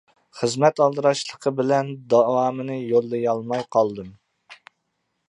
خىزمەت ئالدىراشلىقى بىلەن داۋامىنى يوللىيالماي قالدىم.